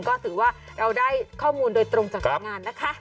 ก็ถือว่าเราได้ข้อมูลโดยตรงจากรายงานนะคะ